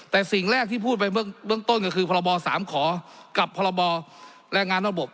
แต่สิ่งแรกที่พูดไปเบื้องต้นก็คือพรบ๓ขอกับพรบแรงงานระบบ